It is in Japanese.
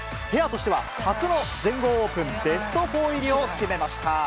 ペアとしては初の全豪オープンベスト４入りを決めました。